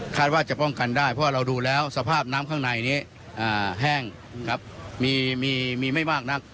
ว่าจะป้องกันได้เพราะว่าเราดูแล้วสภาพน้ำข้างในนี้แห้งมีไม่มากนัก